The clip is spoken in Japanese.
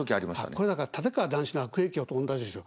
これだから立川談志の悪影響と同じですよ。